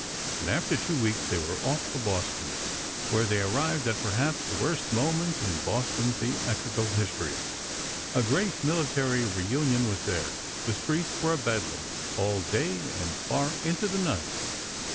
Then after two weeks, they were off for Boston, where they arrived at perhaps the worst moment in Boston theatrical history. A great military reunion was there—the streets were a bedlam—all day and far into the night.